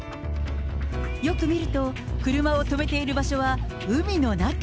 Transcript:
よく見ると、車を止めている場所は海の中。